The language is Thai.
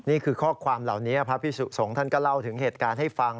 นี่คือข้อความเหล่านี้พระพิสุสงฆ์ท่านก็เล่าถึงเหตุการณ์ให้ฟัง